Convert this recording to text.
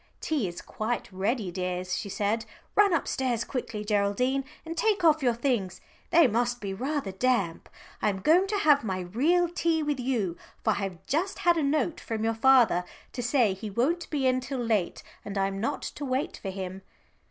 "Tea is quite ready, dears," she said. "Run upstairs quickly, Geraldine, and take off your things, they must be rather damp. I am going to have my real tea with you, for I have just had a note from your father to say he won't be in till late and I am not to wait for him."